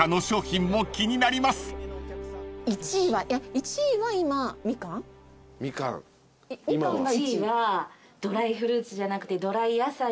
１位はドライフルーツじゃなくて。